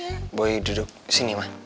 jadi boy duduk sini ma